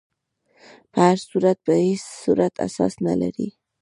په هر صورت په هیڅ صورت اساس نه لري.